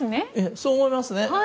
そう思いますね。